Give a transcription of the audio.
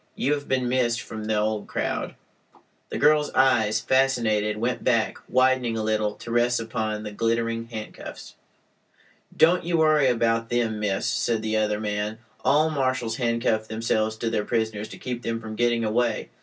You have been missed from the old crowd." The girl's eyes, fascinated, went back, widening a little, to rest upon the glittering handcuffs. "Don't you worry about them, miss," said the other man. "All marshals handcuff themselves to their prisoners to keep them from getting away.